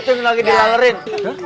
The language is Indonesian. itu lagi dilalerin